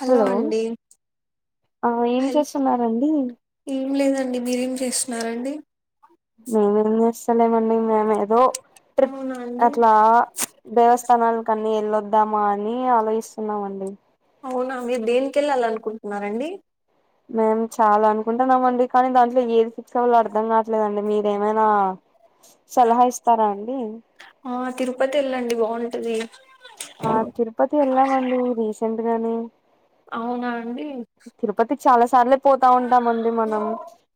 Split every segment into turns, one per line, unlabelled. Hello అండి
ఆ ఏం
హల్
చేస్తున్నారండి
ఏం లేదాం డి మీరేం చేస్తున్నారండి?
మేమేం చేస్తలేమండి మేము ఏదో ట్రిప్
అవునా అండి
అట్లా దేవస్థానాలకన్ని వెల్ళొద్దామా అని ఆలోచిస్తున్నామ అండి.
అవునా మీరు దేనికేళ్ళాలనుకుంటున్నారండి?
మేము చాలా అనుకుంటున్నాం అండి. కానీ దాంట్లో ఏది ఫిక్స్ అవ్వాలో అర్ధం కాట్లేదండి మీ ఏమైనా సలహా ఇస్తారా అండి?
బావుంటది
ఆ తిరుపతి వెళ్ళామండి రీసెంట్ గాని
అవునా అండి
చాలాసార్లు పోతా ఉంటామండి మనం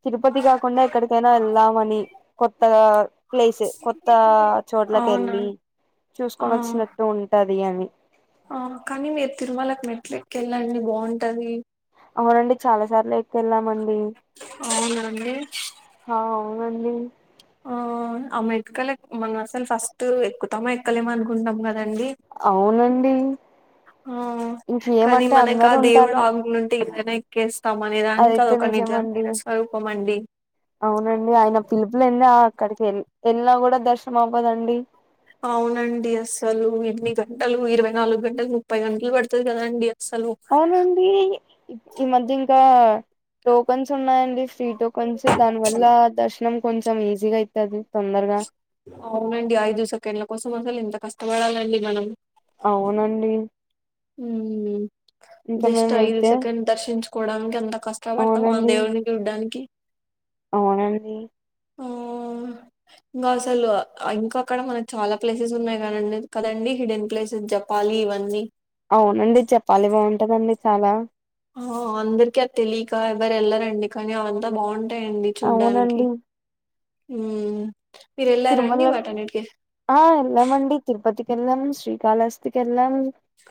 తిరుపతి కాకుండా ఎక్కడికైనా వెళ్దామని కొత్తగా ప్లేసె కొత్త చోట్లకి
అవునా
వెళ్ళి
ఆ
చూసుకొని వచ్చినట్టు ఉంటది అని
ఆ కానీ మీరు తిరుమలకి మెట్లు ఎక్కెళ్ళండి బావుంటది.
అవునండి చాలా సార్లు ఎక్క్కెళ్ళామన్
అవునండి
హా అవునండి
ఆ మెటీకిల్ ఏక్ మనం అసలు ఫస్ట్ ఎక్కుతమొ ఎక్కలేమొ అనుకుంటాం గా
అవునండి
ఆ కానీ
ఇంకేమంటే
మనకు ఆ
అందరు ఉంటారు
దేవుడు
గా
ఆగులుంటే ఎకనా ఎక్కేస్త త మనేదానికి
అదైతే
అదొక నిజం
నిజమండి
నిజస్వరూపం అండీ.
దా అక్కడికి ఎల్ వెళ్లిన కూడా దర్శనం అవ్వదండి.
అవునండి అస్సలు ఎన్ని గంటలు ఇరవై నాలుగు గంటలు, ముప్పై గంటలు పడుతది కదండి. అసలు
అవునండి ఈ మధ్య ఇంకా టోకెన్స్ ఉన్నాయండి ఫ్రీ టో కొంచెం దాని వల్ల దర్శనం కొంచెం ఈజీగా అయితది తొందరగా
అవునండి ఐదు సెకండ్ల కోసం అసలు ఎంత కష్టపడాలండి మనం.
అవునండి
హుమ్
ఇంకా
జస్ట్ ఐదు
మేమైతే
సెకండ్ దర్శించు కోవడానికి ఎంత కష్టపడతాం ఆ
అవునండి
దేవునికి చుడ్డానికి
అవునండి
ఊమ్ ఇంగా అసలు ఇంకా అక్కడ మనకు చాలా ప్లేసెస్ ఉన్నాయి కాదండి కదండి హిడెన్ ప్లేసెస్ చె పాలివన్నీ
అవునండి జపాలి బాగుంటదండి చాలా
ఆ అందర్కీ అద్ తెలీక ఎవర్ ఎళ్లారండి కానీ అ అంతా బాగుంట టాయండి చూడ్డానికి
అవునండి
మీరు వెళ్ళారండి
తిరుమల
వాటన్నిటికీ
ఆ ఎల్లామండి తిరుపతి కెల్లం శ్రీకాళస్తికెల్లాం.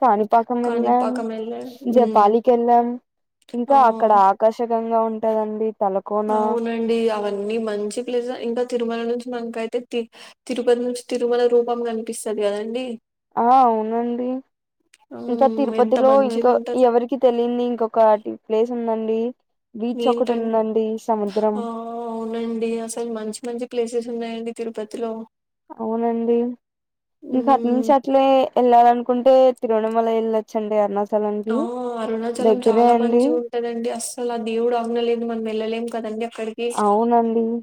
కాణిపాకం ఎల్లాం,
కాణిపాకం వెళ్ళారు ఉమ్.
జపాలికెల్లాం
ఆ,
ఇంకా అక్కడ ఆకాశ గంగా ఉంటదండి తలకోన
అవునండి అవన్నీ మంచి ప్లేస ఇంకా తిరుమల నుంచి మనకై తే తి తిరుపతి నుంచి తిరుమల రూపం కనిపిస్తది కదండి.
ఆ అవునండి. ఇంకా
ఉమ్, ఎంత
తిరుపతిలో
మంచిగా
ఇంకో
ఉంటుంది
ఎవరికి తెలియంది ఇంకొకటి ప్లేస్ ఉందండి. బీచ్ ఒకటి
ఏంటండి
ఉందండి సముద్రం
ఆ అవునండి అసల్ మంచి మంచి ప్లేసెస్ ఉన్నాయండి. తిరుపతిలో
అవునండి ఇంక
హ్మ్.
అట్నుంచి అట్లే ఎళ్ళాలనుకుంటే, తిరువనమలై ఎళ్ళచ్చండి
ఆ!
అరుణాచలానికి
అరుణాచలం చాలా మంచి గుంటదండి అస్సల్ ఆ దేవుడు ఆజ్ఞా లేన్ది మనం ఎళ్ళలేం కదండి అక్కడికి
నంది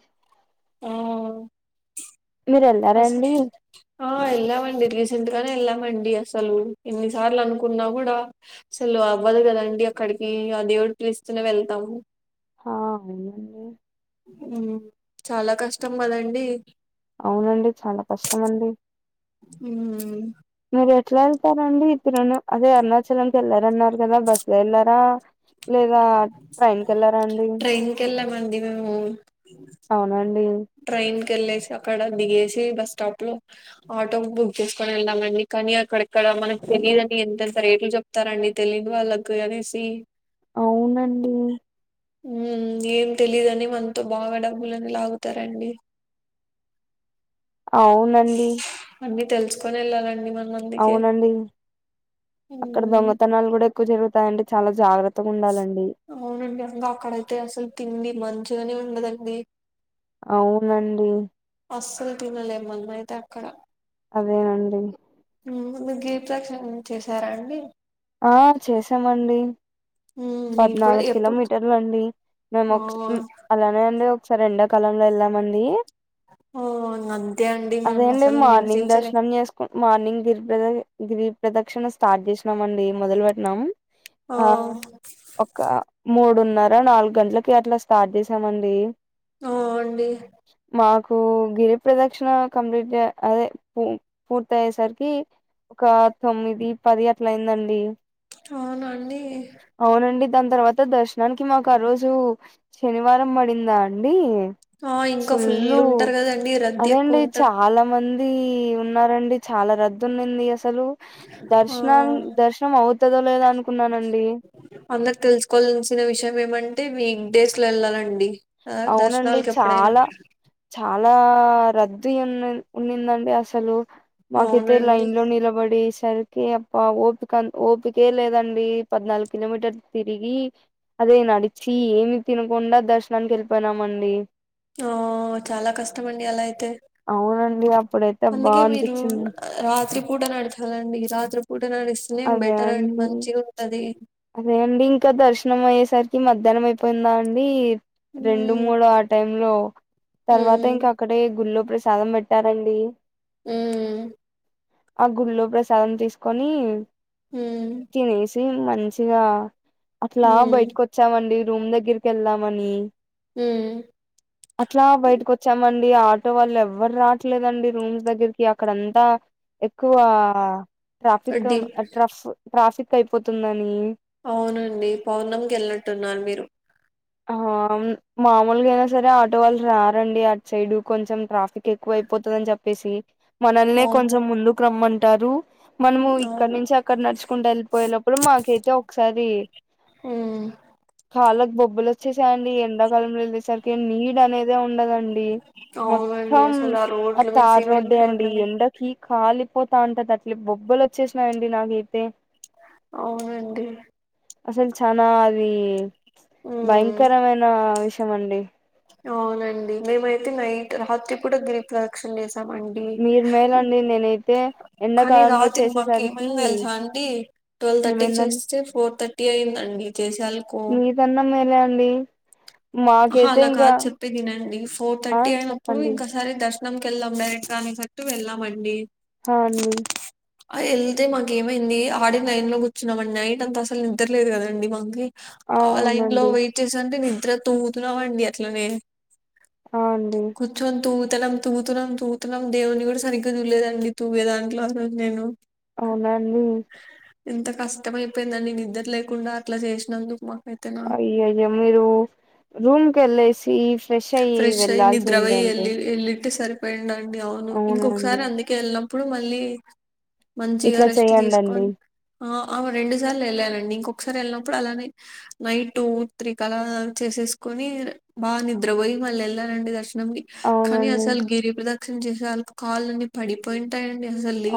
ఆ
మీరు వెళ్ళారా అండి
ఆ ఎళ్ళామండి రీసెంట్గానే ఎళ్ళాం. మండి అసలు ఎన్నిసార్ల్ అనుకున్నా గుడా అసలు అవ్వదు కదండి అక్కడికి ఆ దే దేవుడు పిల్లుస్తేనే వెళ్తాము.
హా అవునండి.
చాలా కష్టం కదండి.
అవునండి చాలా కష్టమండి.
హ్మ్
మరి ఎట్లా ఎళ్తారండి ఇప్పుడు అదే అరుణాచలంకి ఎళ్లారన్నారు కదా బస్లో ఎళ్లారా లేదా టైన్కెళ్ళారా అండి.
ట్రైన్‌కెళ్ళామండి
అవునండి.
ట్రైకెళ్ళేసి అక్కడ దిగేసి బస్ స్టాప్లో ఆటో బుక్ చేస్కొని ఎళ్ళమండి. కనీ అక్కడెక్కడ మనక్ తెలీదని ఎంతంత రేట్లు చెప్తరండి తెలీన్ వాళ్ళకు అనేసి
అవునండి.
మ్ ఏం తెలీదని మన్తో బాగా డబ్బులని లాగుతరండి.
అవునండి.
తెల్సుకొన్ ఎళ్ళాలండి మనం అందుకే
అవునండి. అక్కడ
ఉమ్,
దొంగతనాలు గుడా ఎక్కువ జరుగుతాయండి చాలా జాగ్ర
అవునండి. ఇంకా అక్కడైతే అసల్ తిండి మంచిగనే ఉండదండి.
అవునండి.
అస్సల్ తినలేం మనమైతే అక్కడ
అదేనండి
మీరు గిరిప్రదక్షణ చేశారా అండి
ఆ చేసామండి
ఉమ్, నేను కూడా
పద్నాలుగు
ఎప్పుడు
కిలోమీటర్లండి మేం
ఆ
ఒక అలానే అండి ఒక్సార్ ఎండాకాలంలో ఎళ్ళామండీ
ఆ అంతే అండి
అదే
మనం
అండి
అసలు
మార్నింగ్
నివసించలేము
దర్శనం చేస్కున్ మార్నింగ్ గిరిప్రద గిరి ప్రదక్షణ స్టార్ట్ చేసినమండి మొదల్ పెట్టినం
ఓ
ఒక మూడున్నర నాలుగు గంటలకి అట్ల స్టార్ట్ చేసినామండి
ఆ అండి
మా ఓ గిరి ప్రదక్షిణ కంప్లీట్ అదే పూర్తి అయ్యేసరికి ఒక తొమ్మిది పది అట్ల అయిందండి
అవునండి
అవునండి దాని తర్వాత దర్శనానికి మాకు ఆ రోజు శనివారం పడిందా అండి
ఆ ఇంకా
ఫుల్ల్
ఫుల్ ఉంటారు కదండి రద్దీ
అదేండి
ఎక్కువ ఉంటారు
చాలా మంది ది ఉన్నారండి చాలా రద్ది ఉడింది అసలు అసలు
ఆ
దర్శనా దర్శనం అవుతందో లేదా అనుకున్నానండి
అందరు తెలుసుకోవాల్సిన విషయం ఏమంటే వీక్ డేస్ లో వెళ్ళాలండి ఆ,
అవునండి
దర్శనాలకు ఎప్పుడైనా
చాలా చాలా రద్ధి ఉన్నిందండి అసలు మాకైతే
అవునండి
లైన్ లో నిలబడి సరికి అబ్బా ఓపిక ఓపికే లేదండి పద్నాలుగు కిలోమీటర్లు తిరిగి అదే నడిచి ఏమి తినకుండా దర్శనానికి వెళ్ళిపోయినామండి
ఆ చాలా కష్టమండి అలా అయితే
అవునండి. అప్పుడైతే బా
అందుకే మీరు
అనిపిచ్చింది.
రాత్రి పూట నడిచివేళ్ళండి రాత్రి పూట నడిస్తేనే
అదే
బెటర్
అండి
మంచిగా ఉంటది
అదే అండి ఇంకా దర్శనం అయ్యేసరికి మధ్యాహ్నం అయిపోయిందా అండి రెండు
ఉమ్
మూడు ఆ టైమ్ లో తర్వాత
ఉమ్
ఇంకా అక్కడ గుల్లో ప్రసాదం పెట్టారండి
హు
ఆ గుళ్లో ప్రసాదం తీసుకొని
ఉ
తినేసి మంచిగా అట్లా
ఉమ్
బయటకి వచ్చామండి రూమ్ దగ్గరికి వెళ్దామని
ఉమ్
అట్లా బయటకి వచ్చామండి ఆ ఆటో వాళ్ళు ఎవ్వరు రావట్లేదండి రూమ్స్ దగ్గరకి అక్కడంతా ఎక్కువ ట్రాఫిక్
డి-
టఫ ట్రాఫిక్ అయిపోతుందని
అవునండి పౌర్ణమికి వెళ్ళట్టున్నారు మీరు
ఆ మామూలుగా అయినా సరే ఆటో వాళ్ళు రారండి అటు సైడ్ కొంచెం ట్రాఫిక్ ఎక్కువ అయిపోతదని చెప్ప చెప్పేసి మనల్నే
అవును
కొంచం ముందుకు రమ్మంటారు మనము ఇక్కడ
అవును
నుంచి అక్కడ నడుచుకుంటూ వెళ్ళిపోయేనప్పుడు మాకైతే ఒకసారి
ఉమ్
కళ్ళకి బొబ్బలు వచ్చేసాయండి ఎండాకాలంంలో వెళ్దేసరికి నీడ్ అనేదే ఉండదండి
అవునండి
మొత్తం
అసలు
ఆ
రోడ్ల మీద
తార్
సిమెంట్
రోడ్డే అండి
రోడ్ల మీద
ఎండకి కాళీ అయిపోతా ఉంటది అట్లే బొబ్బలు వచ్చేసినాయంండి నాకైతే
అవునండి
అసలు చాలా అది
ఉమ్
భయంకరమైన విషయం అండి
అవునండి మేమయితే నైట్ రాత్రి కూడా గిరి ప్రదక్షిణ చేస్ డి
మీరు మేలండి నేనైతే
కానీ
ఎండాకాలంలో
రాత్రి మాకు
చేసేసరికి
ఏమైంది తెలుసా అండి ట్వెల్వ్ థర్టీకి
ఏమైందండి
చేస్తే ఫోర్ థర్టీ అయిందండి చేసాల కో
మాక్ అయితే ఇంకా
చెప్పే ఇనండి ఫోర్
ఆ
థర్టీ అయినప్పుడు
చెప్పండి
ఇంకాసారి దర్శన దర్శనం కి వెళ్దాం డైరెక్ట్ గానే సరికి వెళ్ళామండి
హా అండి
వెళ్తే మాక ఏమైంది ఆడే నలైన్ లో కూర్చున్నాంమండి నైట్ అంత అసలు నిద్రలేదు కదండి మాకి లైన్లో
అవునండి
వెయిట్ చేశా అంటే నిద్ర తూగుతున్నామండి అట్లనే
ఆ అండి
కూర్చొన్ తూ త్తనం తూగుతున్నాం తూగుతున్నాం దేవున్ని గుడా సరిగ్గ చూడ్లేదండి తూగే దాంట్లో అసల్ నేను
అవునండి
ఎంత కష్టమైపోయిందండి నిద్దర్ లేకుండా అట్లా చేసినందుకు మా
అయ్యయ్యో మీరూ రూమ్క్ వెళ్ళేసి సీ ఫ్రెష్ అయి వెళ్ళాల్సిందండి.
తే సరిపోయిండ అండి అవును ఇంకొక్సారి అందుకే ఎళ్ళినప్పుడు మళ్ళీ మంచిగ
ఇట్లా
రెస్ట్
చెయ్యండండి
తీసుకోని ఆ అ రెండు సార్లు వెళ్ళానండి. ఇంకొకసార్ ఎళ్ళినప్పుడు అలానే నైట్ టూ త్రీకలా చేస్ స్కొని బాగా నిద్రపోయి మల్లెళ్ళానండి దర్శనంకి కనీ
అవునండి
అసల్ గిరిప్రద క్షన చేసే వాళ్ళక్ కాళ్లన్నీ పడిపోయి ఉంటాయం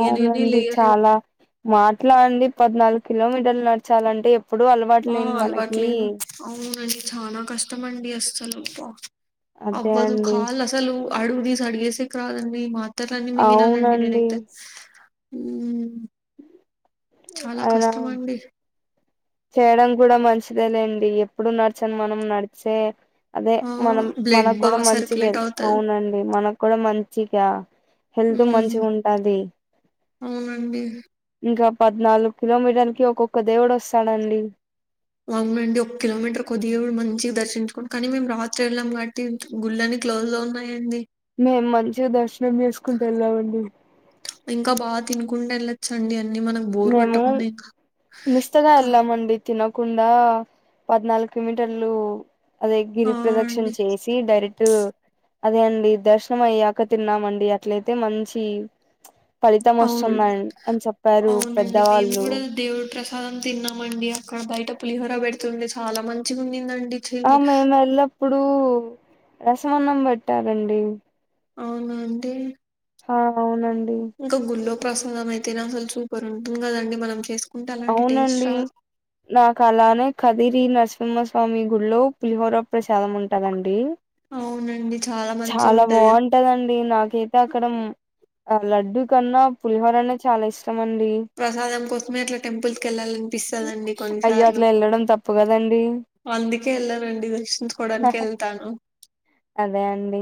అవునండి చాలా మాట్లాఅండి పద్నాలుగు కిలోమీటర్లు నడచాలంటే ఎప్పుడూ అలవాటు
ఆ
లేని మనకి
అలవాట్లేను అవునండి చానా కష్టమండి అస్సలు అబ్బ
అదే
అవ్వదు
అండి
కాళ్ళసలు అడుగు తీసి అడుగేసెక్ రాదండి. మా త్రలన్ని మింగినానండి
అవునండి
నేనైతే చాలా
ఆయన
కష్టమండి
చేయడం కూడా మంచిదే లేండి ఎప్పుడు నడుచన్ మనం నడిచే అదే
ఆ!
మనం
బ్లడ్
మనకు
బా
కూడా మంచిగద్
సర్క్యులేట్ అవుతది.
అవునండి మనక్ కూడా మంచిగా హెల్త్
ఉమ్
మంచిగుంటాది.
అవునండి
ఇంకా పద్నాల్గు కిలోమీటర్లకి ఒక్కొక్క దేవుడ్ వస్తాడండి.
అవునండి ఒక్ కిలోమీటర్కో దేవుడు మంచిగ దర్శించుకోన్ కానీ మేము రాత్రి ఎళ్ళాం కాబట్టి గుళ్ళని క్లోజ్లో ఉన్నాయండి.
మేం మంచిగ దర్శనం చేస్కుంటూ ఎళ్ళామండి.
తినుకుంట ఎళ్లచ్చండి అన్
మేము నిష్టగా
కా-
ఎళ్ళామండి తిన కుండా పద్నాల్గు కిలోమీటర్లు అదే
ఆ
గిరిప్రదక్షిణ
అండి
చేసి డైరెక్ట్ అదే అండి దర్శనం అయ్యాక తిన్నామండి అట్లయితే మంచి ఫలితం
అవును
వస్తుందన్ అన్ చెప్పారు.
అవునండి మేం
పెద్దవాళ్ళు
గుడా దేవుడ్ ప్రసా ప్రసాదం తిన్నామండి అక్కడ బైట పులిహోర పెడుతుండే చాలా మంచిగుండిందం
ఆ మేం ఎల్లప్పుడు రసమన్నం పెట్టారండి.
అవునా అండి.
హా అవునం
ఇంకా గుల్లో ప్రసాదం అయితేనే అసల్ సూపర్ ఉంటుంన్ కదండి మనం చేస్
అవునండి నాక్ అలానే కదిరి నరసింహ స్వామి గుళ్లో పులిహోర ప్రసాదం ఉంటదండి.
అవునండి మంచిగా
చాలా
ఉంటది
బాగుంటదండి నాకైతే అక్కడ ఆ లడ్డు కన్నా పులిహోరనే చాలా ఇష్
ప్రసాదం కోసమే అట్ల టె టెంపుల్ కెళ్ళాలన్పిస్తదండి
అయ్యో
కొన్నిసార్లు
అట్లా వెళ్ళడం తప్పు కదండి
అందుకే ఎళ్ళనండి దర్శించుకోడానికే ఎళ్తాను.
అదే అండి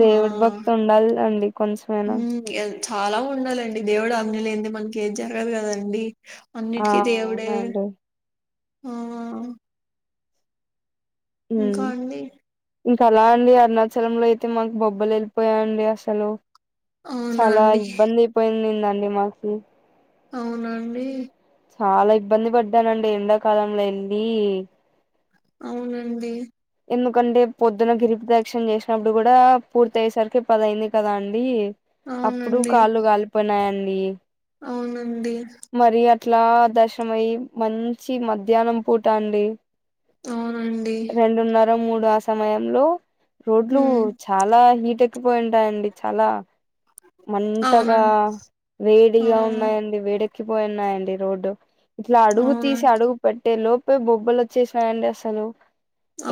దేవుడ్ భక్తి ఉండాలండి. కొంచెమైనా
మ్ చాలా ఉండాలండి దేవుడు ఆజ్ఞ లేనిదే మనకి ఏది జరగదు కదండి.
ఆ
అన్నిటికి దేవుడే
అవునండి
ఆ ఇంకా
ఉమ్
అండి
ఇంకా అలా అండి అరుణాచలంలో అయితే మాకు బొబ్బలేళ్ళిపోయాయండి అసలు
అవునా
చాలా
అండి
ఇబ్బందైపోయిందందండి మాకు
అవునా అండి
చాలా ఇబ్బంది పడ్డానండి ఎండాకాలంలో వెళ్ళి
అవునండి
ఎందుకంటే పొద్దున గిరిప్రదక్షిణ చేసినప్పుడు కూడా పూర్తి అయ్యేసరికి పదయింది కదా అండి అప్పుడు
అవునండి
కాళ్ళు కాలిపోయినాయండి
అవునండి
ఇట్లా దర్శనం అయి మంచి మధ్యాహ్నం పూట అండి
అవునండి
రెండున్నర మూడు ఆ సమయంలో రోడ్లు
ఉమ్
చాలా హీట్ డేక్కిపోయింటాయండి చాలా మంటగా
అవునండి ఆ
వేడిగా ఉన్నాయండి వేడెక్కిపోయున్నాయండి రోడ్డు ఇట్లా అడుగు తీసి
అవునండి
అడుగు పెట్టే లోపే బొబ్బలు వచ్చేసాయండి అసలు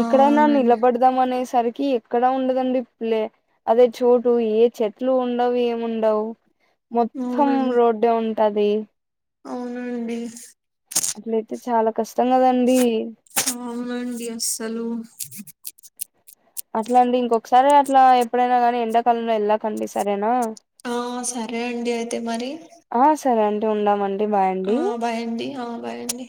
ఎక్కడైనా
అవునండి
నిలబడుదాం అనేసి సరికి ఎక్కడా ఉండదండి ప్లే అదే చోటు ఏ చెట్లు ఉండవు ఏముండవు మొత్తం
అవునండి
రోడ్డే ఉంటది
అవునండి
అట్లయితే చాలా కష్టం కదండి
అవునండి అస్సలు
అట్లా అండి ఇంకొకసారి అట్లా ఎప్పుడైనా గానీ ఎండాకాలంలో వెళ్ళకండి సరేనా
ఆ సరే అండి అయితే మరి
ఆ సరే అండి ఉందామండి బాయ్
ఆ
అండి
బాయండి ఆ బాయండి